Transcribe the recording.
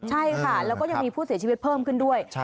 ใช่ค่ะแล้วก็ยังมีผู้เสียชีวิตเพิ่มขึ้นด้วย